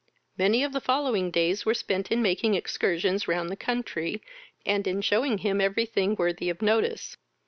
Many of the following days were spent in making excursions round the country, and in shewing him every thing worthy of notice.